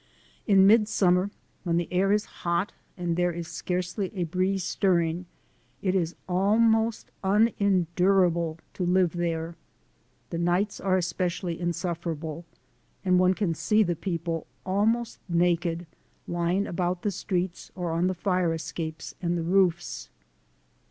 In midsummer, when the air is hot and there is scarcely a breeze stirring, it is almost un endurable to live there. The nights are especially insufferable, and one can see the people, almost naked, lying about the streets or on the fire escapes and the roofs.